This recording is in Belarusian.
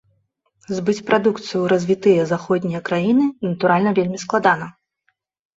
Збыць прадукцыю ў развітыя заходнія краіны, натуральна, вельмі складана.